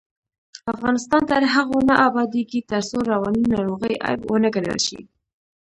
افغانستان تر هغو نه ابادیږي، ترڅو رواني ناروغۍ عیب ونه ګڼل شي.